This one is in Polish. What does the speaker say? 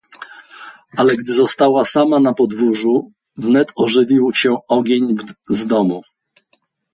"Ale gdy została sama na podwórzu, wnet ożywił się ogień z domu."